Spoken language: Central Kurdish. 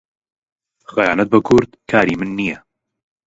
خەیانەت بە کورد کاری من نییە.